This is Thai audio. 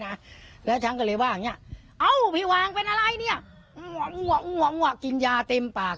น่ะแล้วฉันเลยว่าอ่าพี่วางเป็นอะไรเนี่ยกินยาเต็มปาก